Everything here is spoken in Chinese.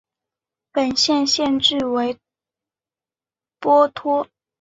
本县县治为波托。